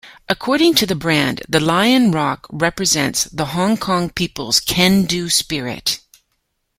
According to the brand, the Lion Rock represents "the Hong Kong people's 'can-do' spirit".